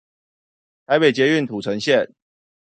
臺北捷運土城線